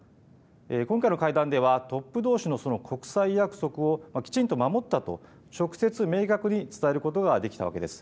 今回の会談ではトップどうしの、その国際約束をきちんと守ったと、直接明確に伝えることができたわけです。